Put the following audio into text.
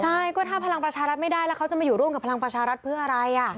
ใช่ก็ถ้าพลังประชารัฐไม่ได้แล้วเขาจะมาอยู่ร่วมกับพลังประชารัฐเพื่ออะไร